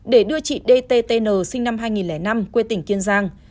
để đưa chị dtn sinh năm hai nghìn năm quê tỉnh kiên giang